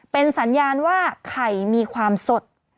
เป็นสัญญาณว่าไข่มีความสด